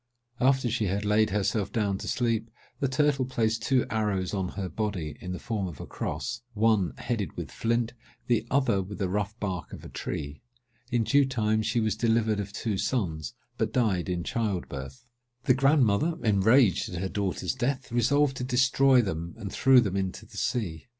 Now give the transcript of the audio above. After she had laid herself down to sleep, the turtle placed two arrows on her body, in the form of a cross—one headed with flint, the other with the rough bark of a tree. In due time she was delivered of two sons, but died in child birth. The grandmother, enraged at her daughter's death, resolved to destroy them, and threw them into the sea.